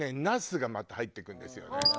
ナスがまた入ってくるんですよね。